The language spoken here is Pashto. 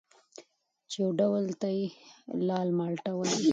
چې یو ډول ته یې لال مالټه وايي